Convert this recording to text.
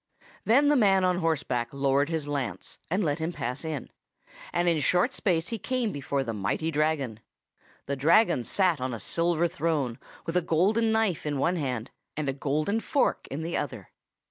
"Then the man on horseback lowered his lance, and let him pass in, and in short space he came before the mighty Dragon. The Dragon sat on a silver throne, with a golden knife in one hand, and a golden fork in the other.